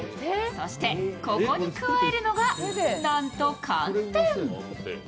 そして、ここに加えるのがなんと寒天。